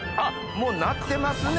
もうなってますね。